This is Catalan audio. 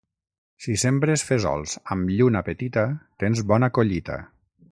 Si sembres fesols amb lluna petita, tens bona collita.